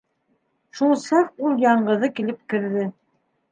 Шул саҡ ул яңғыҙы килеп керҙе.